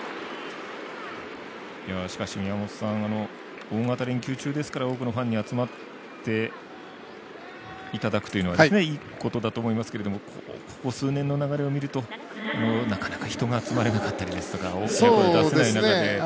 しかし宮本さん、大型連休中ですから多くのファンに集まっていただくというのはいいことだと思いますけれどもここ数年の流れでいうとなかなか人が集まれなかったりですとか大きな声を出せない中で。